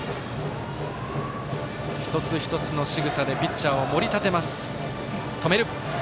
一つ一つのしぐさでピッチャーを盛り立てます。